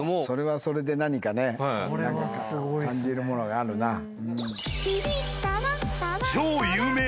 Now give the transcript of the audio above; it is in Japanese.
それはそれで何かね感じるものがあるな。